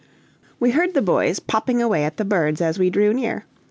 We heard the boys popping away at the birds as we drew near.